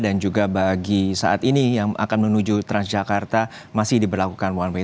dan juga bagi saat ini yang akan menuju transjakarta masih diberlakukan one way